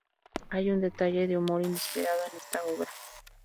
Hay un detalle de humor inesperado en esta obra.